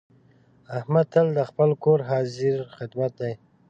احمد تل د خپل کور حاضر خدمت دی.